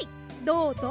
どうぞ。